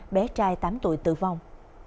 bé trai tám tuổi tử vong